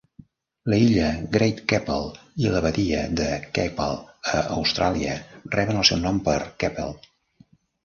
L'illa Great Keppel i la badia de Keppel a Austràlia reben el seu nom per Keppel.